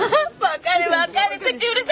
分かる分かる。